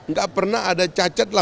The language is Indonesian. gak pernah ada cacat lah